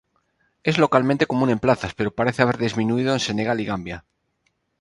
Es localmente común en plazas, pero parece haber disminuido en Senegal y Gambia.